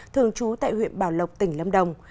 thường trú tại huyện bảo lộc tỉnh lâm đồng